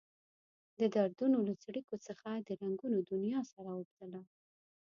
د دردونو له څړیکو څخه د رنګونو دنيا سره اوبدله.